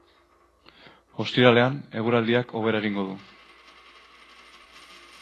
Ostiralean eguraldiak hobera egingo du.